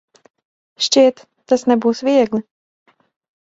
Šķiet, tas nebūs viegli.